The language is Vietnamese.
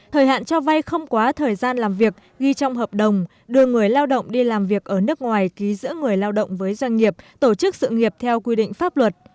thời hạn cho vay không quá thời gian làm việc ghi trong hợp đồng đưa người lao động đi làm việc ở nước ngoài ký giữa người lao động với doanh nghiệp tổ chức sự nghiệp theo quy định pháp luật